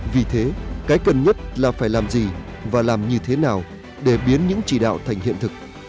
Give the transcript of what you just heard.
vì thế cái cần nhất là phải làm gì và làm như thế nào để biến những chỉ đạo thành hiện thực